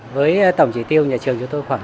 với tổng chỉ tiêu nhà trường cho tôi khoảng năm